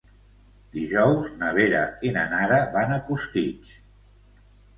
Dijous na Vera i na Nara van a Costitx.